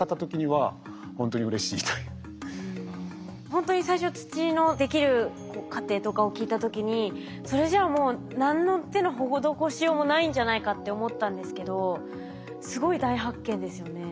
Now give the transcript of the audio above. ほんとに最初土のできる過程とかを聞いた時にそれじゃあもう何の手の施しようもないんじゃないかって思ったんですけどすごい大発見ですよね。